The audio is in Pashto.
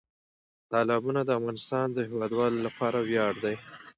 تالابونه د افغانستان د هیوادوالو لپاره ویاړ دی.